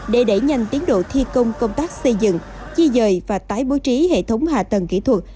để đẩy nhanh tiến độ thi công công tác xây dựng chi dời và tái bố trí hệ thống hạ tầng kỹ thuật